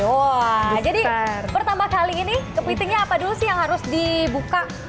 wah jadi pertama kali ini kepitingnya apa dulu sih yang harus dibuka